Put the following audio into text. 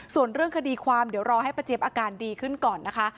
ส่วนเรื่องคดีความเดี๋ยวรอให้ป้าเจี๊ยบอาการดีขึ้นก่อนนะคะ